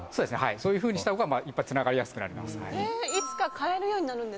そういうふうにしたほうがいっぱいつながりやすくなります。